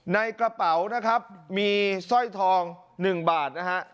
ในกระเป๋านะครับมีสร้อยทอง๑บาทนะฮะ